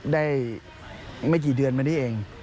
ได้ไม่กี่เดือนมานี้เอง